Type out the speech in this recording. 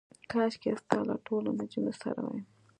کاشکې ستا له ټولو نجونو سره وای.